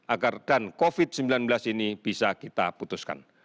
agar dan covid sembilan belas ini bisa kita putuskan